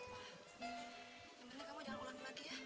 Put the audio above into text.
sebenarnya kamu jangan ulangin lagi ya